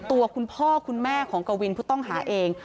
ตัวคุณพ่อคุณแม่ของกวินผู้ต้องหาเอง